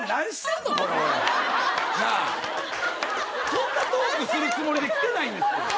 こんなトークするつもりで来てないんですよ